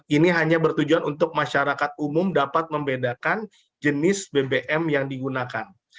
ini hanya bertujuan untuk masyarakat umum dapat membedakan jenis bbm yang digunakan